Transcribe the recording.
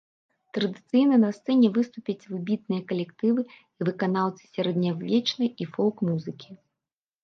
Традыцыйна на сцэне выступяць выбітныя калектывы і выканаўцы сярэднявечнай і фолк-музыкі.